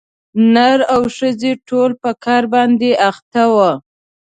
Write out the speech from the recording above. نر او ښځي ټول په کار باندي اخته وه